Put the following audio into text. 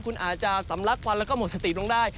คุณอาจจะสำลักควันแล้วก็หมดสติลงได้